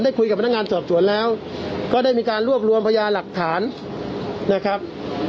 คุยกับพนักงานสอบสวนแล้วก็ได้มีการรวบรวมพยาหลักฐานนะครับ